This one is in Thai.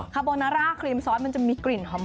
คาโบนาร่าครีมซอสมันจะมีกลิ่นหอม